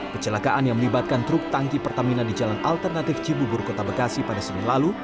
kecelakaan yang melibatkan truk tangki pertamina di jalan alternatif cibubur kota bekasi pada senin lalu